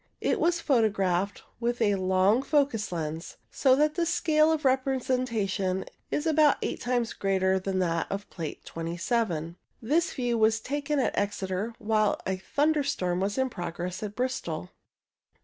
It was photographed with a long focus lens, so that the scale of representation is about eight times as great as that of Plate 2 7. This view was taken at Exeter while a thunderstorm was in progress at Bristol.